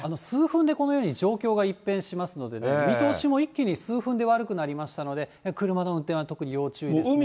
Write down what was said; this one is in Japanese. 数分でこのように状況が一変しますので、見通しも一気に数分で悪くなりましたので、車の運転は特に要注意ですね。